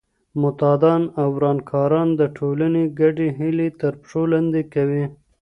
معتادان او ورانکاران د ټولنې ګډې هیلې تر پښو لاندې کوي.